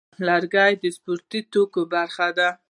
لرګی د سپورتي توکو برخه ده.